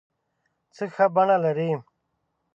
څه ښه بڼه لرې